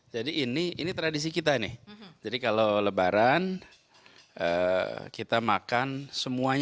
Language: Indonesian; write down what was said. jadi ini tradisi kita nih jadi kalau lebaran kita makan semuanya